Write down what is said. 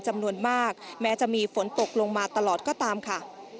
จำนวนมากแม้จะมีฝนตกลงมาตลอดก็ตามค่ะ